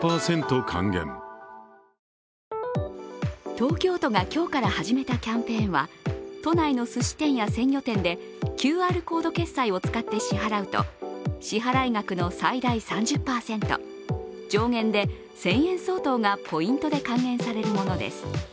東京都が今日から始めたキャンペーンは都内のすし店や鮮魚店でＱＲコード決済を使って支払うと支払額の最大３０％、上限で１０００円相当がポイントで還元されるものです。